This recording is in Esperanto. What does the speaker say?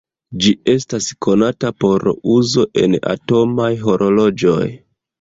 Ĝi estas konata por uzo en atomaj horloĝoj.